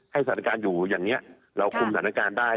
สถานการณ์อยู่อย่างนี้เราคุมสถานการณ์ได้